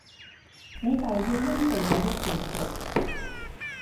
你就要應承我一件事